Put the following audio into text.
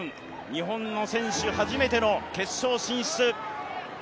日本の選手初めての決勝進出。